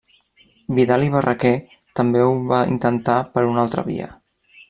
Vidal i Barraquer també ho va intentar per una altra via.